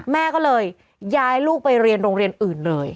แม่ก็เลยย้ายลูกไปเรียนโรงเรียนอื่นเลย